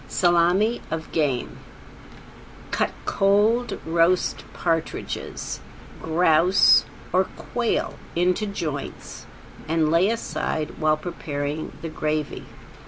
~SALMI OF GAME~ Cut cold roast partridges, grouse or quail into joints and lay aside while preparing the gravy.